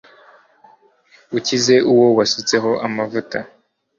ukize uwo wasutseho amavuta